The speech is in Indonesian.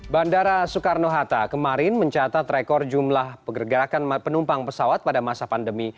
bandara soekarno hatta kemarin mencatat rekor jumlah pergerakan penumpang pesawat pada masa pandemi